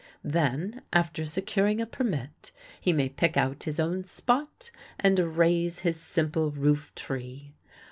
Then, after securing a permit, he may pick out his own spot and raise his simple roof tree.